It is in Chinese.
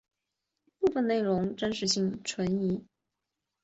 部分内容真实性存疑。